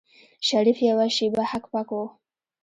شريف يوه شېبه هک پک و.